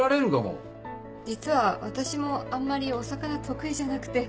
実は私もあんまりお魚得意じゃなくて。